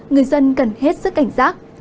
người dân cần hết sức cảnh giác